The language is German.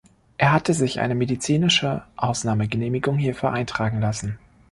Er hatte sich eine medizinische Ausnahmegenehmigung hierfür eintragen lassen.